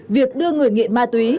việc đưa người nghiện ma túy